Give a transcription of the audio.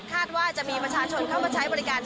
ว่าจะมีประชาชนเข้ามาใช้บริการ